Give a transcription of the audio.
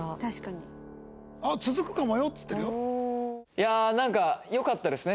いやあなんかよかったですね